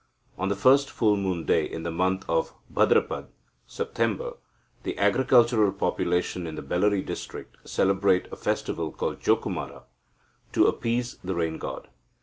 On the first full moon day in the month of Bhadrapada (September), the agricultural population in the Bellary district celebrate a festival called Jokumara, to appease the rain god.